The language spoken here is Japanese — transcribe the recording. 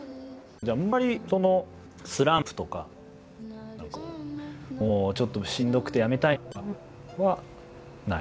じゃああんまりそのスランプとか何かこうもうちょっとしんどくてやめたいなとかはない？